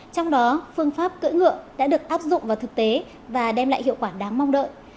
trong đó phương pháp cỡi ngựa đã được áp dụng vào thực tế và đem lại hiệu quả đáng mong đợi